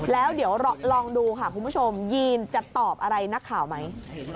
แล้วเดี๋ยวลองดูค่ะคุณผู้ชมยีนจะตอบอะไรนักข่าวไหม